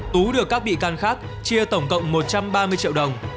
tú được các bị can khác chia tổng cộng một trăm ba mươi triệu đồng